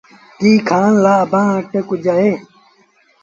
ڪيٚ کآڻ لآ اڀآنٚ وٽ ڪجھ اهي؟